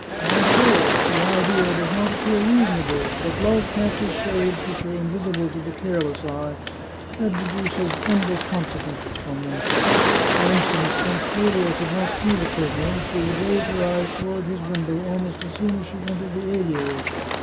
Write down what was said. Why so? The idea does not appear reasonable, but love catches shades which are invisible to the careless eye, and deduces endless consequences from them. For in 338 The Chartreuse of Parma stance, since Clelia could not see the prisoner she would raise her eyes toward his window almost as soon as she entered the aviary.